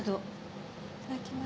いただきます。